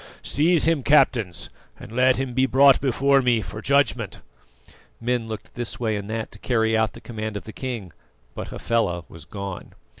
Seize him, captains, and let him be brought before me for judgment!" Men looked this way and that to carry out the command of the king, but Hafela was gone.